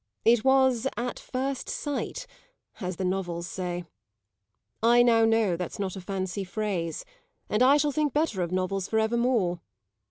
It was at first sight, as the novels say; I know now that's not a fancy phrase, and I shall think better of novels for evermore.